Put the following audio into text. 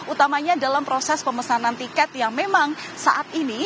utamanya dalam proses pemesanan tiket yang memang saat ini